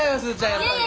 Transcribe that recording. やっぱり。